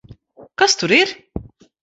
Kas tur ir?